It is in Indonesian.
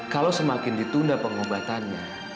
kalau semakin ditunda pengobatannya